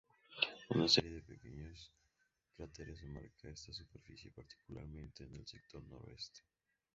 Una serie de pequeños cráteres marca esta superficie, particularmente en el sector noroeste.